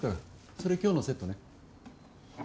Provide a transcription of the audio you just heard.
それ今日のセットね。